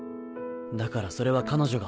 だからそれは彼女が。